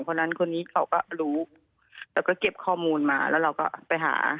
คนนั้นคนนี้เขาก็รู้แล้วก็เก็บข้อมูลมาแล้วเราก็ไปหา